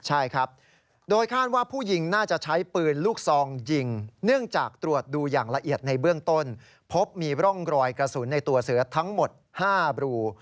ใช่ครับโดยคาดว่าผู้หญิงน่าจะใช้ปืนลูกซองยิงเนื่องจากตรวจดูอย่างละเอียดในเบื้องต้นพบมีร่องรอยกระสุนในตัวเสือทั้งหมด๕บรู